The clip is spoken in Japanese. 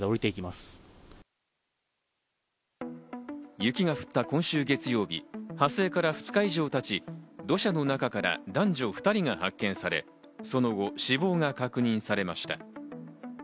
雪が降った今週月曜日、発生から２日以上たち、土砂の中から男女２人が発見され、その後、死亡が確認されました。